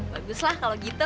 baguslah kalau gitu